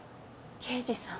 刑事さん。